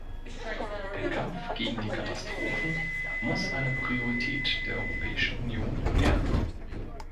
Der Kampf gegen die Katastrophen muss eine Priorität der Europäischen Union werden.